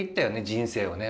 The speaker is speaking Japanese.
人生をね